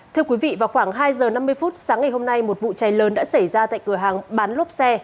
thưa quý vị vào khoảng hai giờ năm mươi phút sáng ngày hôm nay một vụ cháy lớn đã xảy ra tại cửa hàng bán lốp xe